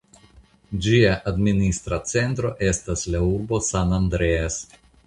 Ĝia administra centro estas la urbo San Andreas.